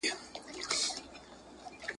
پلونه لرمه کنه؟ ..